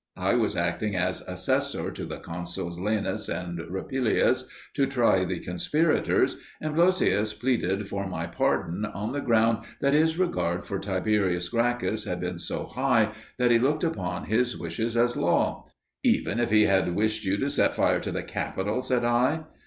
I was acting as assessor to the consuls Laenas and Rupilius to try the conspirators, and Blossius pleaded for my pardon on the ground that his regard for Tiberius Gracchus had been so high that he looked upon his wishes as law. "Even if he had wished you to set fire to the Capitol?" said I.